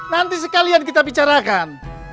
nanti sekalian kita bicarakan